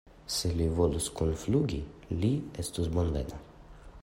Se li volus kunflugi, li estus bonvena.